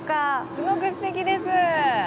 すごくすてきです！